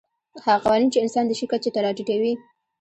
هغه قوانین چې انسان د شي کچې ته راټیټوي.